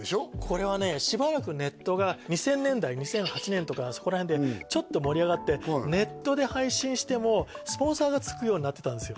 これはねしばらくネットが２０００年代２００８年とかそこら辺でちょっと盛り上がってネットで配信してもスポンサーがつくようになってたんですよ